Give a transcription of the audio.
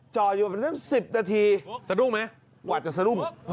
จ่อยอยู่ประมาณ๑๐นาทีกว่าจะสะดุ้ง